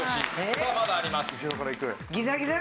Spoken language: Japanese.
さあまだあります。